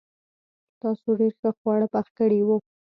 تاسو ډېر ښه خواړه پخ کړي وو.